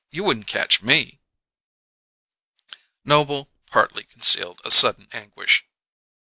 You wouldn't catch me " Noble partly concealed a sudden anguish.